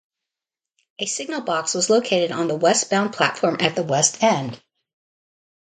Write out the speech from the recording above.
A signalbox was located on the westbound platform at the west end.